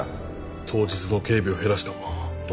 当日の警備を減らしたんも野立さん。